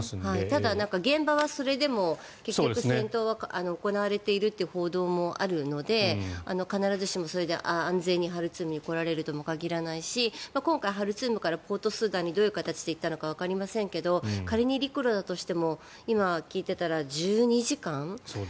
ただ、現場はそれでも戦闘は行われているという報道もあるので必ずしもそれで安全にハルツームに来られるとも限らないし今回、ハルツームからポートスーダンにどういう形で行ったのかわかりませんけど仮に陸路だとしても今、聞いていたら１２時間。